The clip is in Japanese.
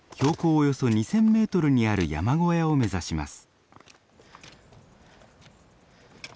およそ２，０００メートルにある山小屋を目指します。